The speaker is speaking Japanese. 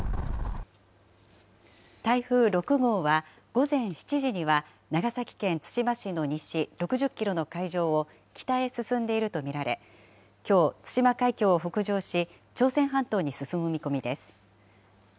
台風６号は、午前７時には長崎県対馬市の西６０キロの海上を北へ進んでいると見られ、きょう、対馬海峡を北上し、朝鮮半島に進む見込みです。